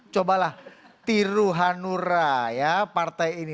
cobalah tiru hanura ya partai ini